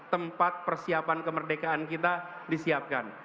tempat persiapan kemerdekaan kita disiapkan